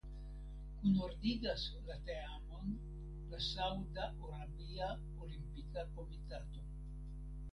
Kunordigas la teamon la Sauda Arabia Olimpika Komitato.